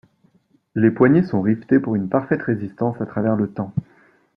Les poignées sont rivetées pour une parfaite résistance à travers le temps.